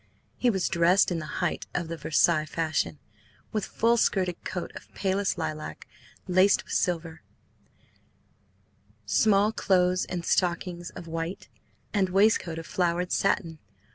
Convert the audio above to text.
He was dressed in the height of the Versailles fashion, with full skirted coat of palest lilac laced with silver, small clothes and stockings of white, and waistcoat of flowered satin.